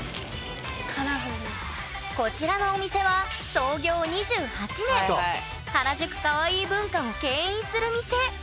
こちらのお店は原宿カワイイ文化をけん引する店。